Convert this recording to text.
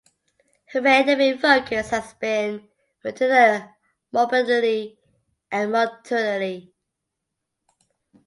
Her main academic focus has been maternal morbidity and mortality.